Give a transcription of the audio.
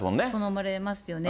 思われますよね。